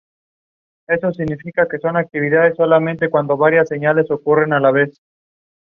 Part of the cave has collapsed and mortared stone wall is protecting cave interior.